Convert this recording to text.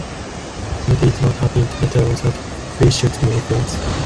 Would it not have been better that we should remain friends?